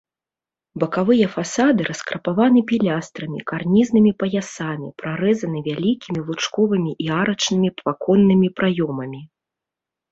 Бакавыя фасады раскрапаваны пілястрамі, карнізнымі паясамі, прарэзаны вялікімі лучковымі і арачнымі ваконнымі праёмамі.